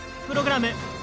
プログラム